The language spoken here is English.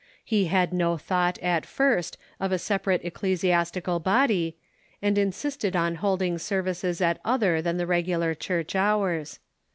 He had no thought, at first, Jo n es ey ^£^ separate ecclesiastical body, and insisted on holding services at other than the regular church hours.